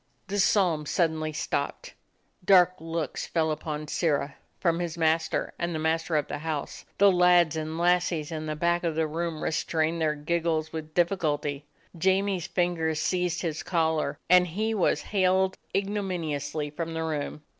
The psalm suddenly stopped. Dark looks fell upon Sirrah from his master and the mas ter of the house. The lads and lassies in the back of the room restrained their giggles with difficulty. Jamie's fingers seized his collar, and he was haled ignominiously from the room.